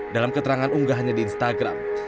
dalam keterangan unggahannya di instagram